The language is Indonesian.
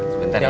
sebentar ya cek